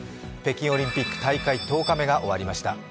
北京オリンピック、大会１０日目が終わりました。